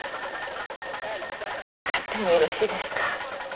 上がってもよろしいですか？